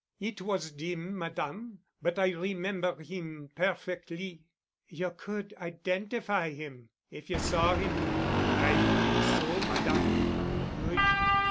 "It was dim, Madame. But I remember him perfectly." "You could identify him, if you saw him?" "I think so, Madame." "Good.